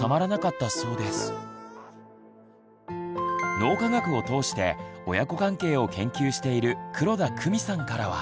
脳科学を通して親子関係を研究している黒田公美さんからは。